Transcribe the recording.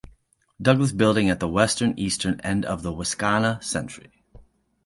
Douglas Building at the western eastern end of Wascana Centre.